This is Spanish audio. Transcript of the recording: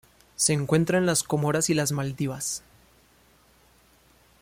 Se encuentra en las Comoras y las Maldivas.